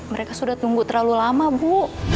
mereka sudah tunggu terlalu lama bu